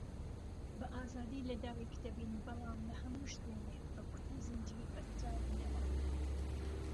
بەئازادی لەدایک دەبین بەڵام لەهەموو شوێنێک بەکۆت و زنجیر بەستراوینەوە